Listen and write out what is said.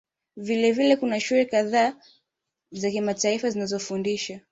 Vilevile kuna shule kadhaa za kimataifa zinazofundisha